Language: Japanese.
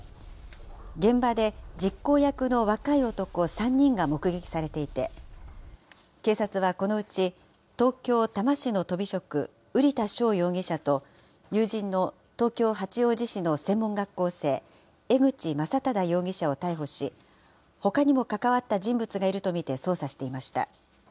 現場で実行役の若い男３人が目撃されていて、警察はこのうち、東京・多摩市のとび職、瓜田翔容疑者と、友人の東京・八王子市の専門学校生、江口将匡容疑者を逮捕し、ほかにも関わった人物がいると見て捜査していました。